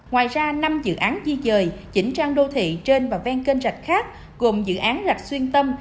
ngoài ra năm dự án di dời chỉnh trang đô thị trên và ven kênh rạch khác gồm dự án rạch xuyên tâm